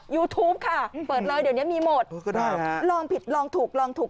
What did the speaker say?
ยูทูปค่ะเปิดเลยเดี๋ยวนี้มีหมดลองผิดลองถูกลองถูก